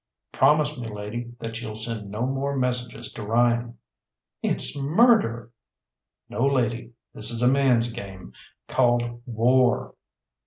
"Promise me, lady, that you'll send no more messages to Ryan." "It's murder!" "No, lady, this is a man's game, called war!"